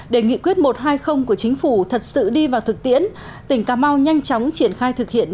để nghị quyết một trăm hai mươi của chính phủ thật sự đi vào thực tiễn tỉnh cà mau nhanh chóng triển khai thực hiện